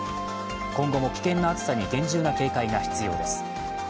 今後も危険な暑さに厳重な警戒が必要です。